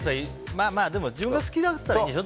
自分が好きだったらいいんでしょ。